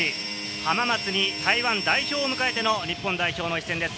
浜松に台湾代表を迎えての日本代表の一戦です。